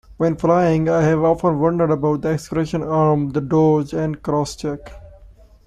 When flying, I have often wondered about the expression Arm the Doors and Crosscheck